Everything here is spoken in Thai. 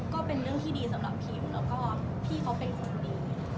ก็เป็นเรื่องที่ดีสำหรับพิมแล้วก็พี่เขาเป็นคนดี